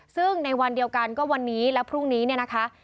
ซึ่งในวันเดียวกันก็วันนี้และพรุ่งนี้เนี่ยนะคะ